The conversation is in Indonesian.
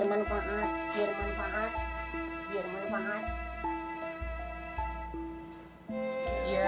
biar aku ambil